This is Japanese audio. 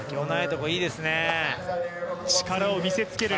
力を見せつける。